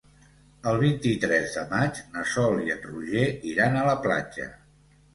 El vint-i-tres de maig na Sol i en Roger iran a la platja.